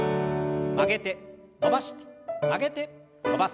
曲げて伸ばして曲げて伸ばす。